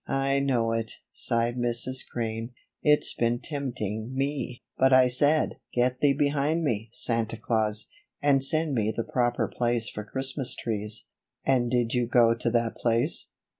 "I know it," sighed Mrs. Crane. "It's been tempting me; but I said: 'Get thee behind me, Santa Claus, and send me to the proper place for Christmas trees.'" "And did you go to that place?"